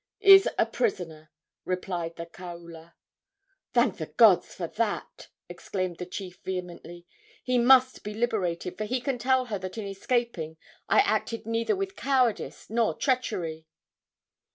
"Is a prisoner," replied the kaula. "Thank the gods for that!" exclaimed the chief vehemently. "He must be liberated, for he can tell her that in escaping I acted neither with cowardice nor treachery!"